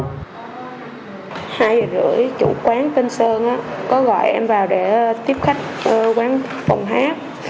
hai giờ rưỡi chủ quán tân sơn có gọi em vào để tiếp khách quán phòng hát